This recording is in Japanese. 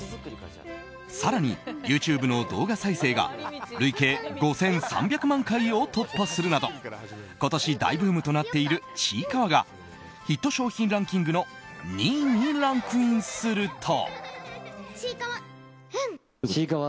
更に、ＹｏｕＴｕｂｅの動画再生が累計５３００万回を突破するなど今年、大ブームとなっている「ちいかわ」がヒット商品ランキングの２位にランクインすると。